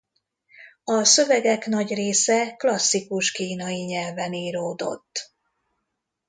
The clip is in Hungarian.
A szövegek nagy része klasszikus kínai nyelven íródott.